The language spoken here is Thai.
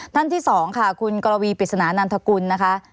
ท่านที่๒ค่ะคุณกรวีปริศนานันทกุลนะคะ